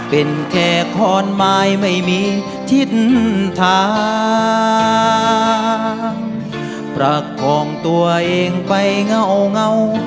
เป็นแค่ขอนไม้ไม่มีทิศทางประคองตัวเองไปเงา